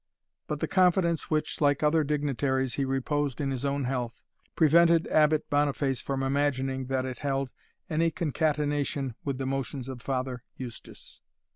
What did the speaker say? But the confidence which, like other dignitaries, he reposed in his own health, prevented Abbot Boniface from imagining that it held any concatenation, with the motions of Father Eustace.